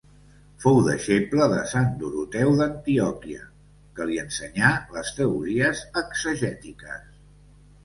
Fou deixeble de Sant Doroteu d'Antioquia, que li ensenyà les teories exegètiques.